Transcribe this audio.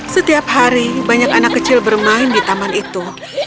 setiap hari banyak anak kecil bermain di taman itu